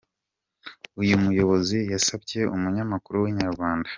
Uyu muyobozi yasabye umunyamakuru wa Inyarwanda.